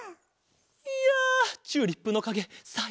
いやチューリップのかげさいこうだった。